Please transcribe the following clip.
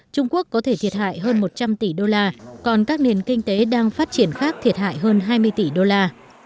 trung quốc có thể thiệt hại hơn một trăm linh tỷ đô la còn các nền kinh tế đang phát triển khác thiệt hại hơn hai mươi tỷ đô la